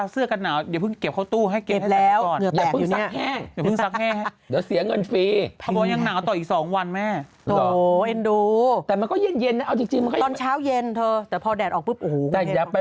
เสื้อโอเวิร์ดพล็อตวันนี้๓๑ใช่ไหมวันนี้๓๒